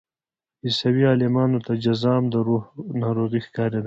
عیسوي عالمانو ته جذام د روح ناروغي ښکارېدله.